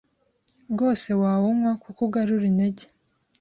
rwose wawunywa kuko ugarura intege